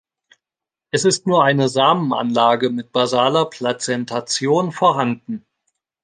Es ist nur eine Samenanlage mit basaler Plazentation vorhanden.